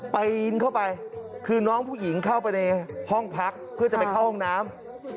ปีนเข้าไปคือน้องผู้หญิงเข้าไปในห้องพักเพื่อจะไปเข้าห้องน้ำ